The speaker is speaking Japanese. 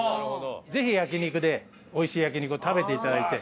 ぜひ焼肉でおいしい焼肉を食べていただいて。